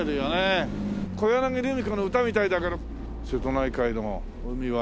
小柳ルミ子の歌みたいだから瀬戸内海の海は。